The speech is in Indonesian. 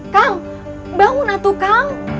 kang bangun atu kang